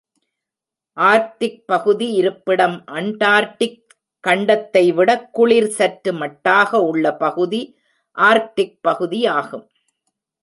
Arctic பகுதி இருப்பிடம் Antarctic கண்டத்தைவிடக் குளிர் சற்று மட்டாக உள்ள பகுதி ஆர்க்டிக் பகுதி ஆகும்.